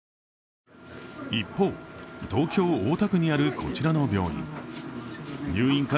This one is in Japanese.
一方、東京・大田区にあるこちらの病院。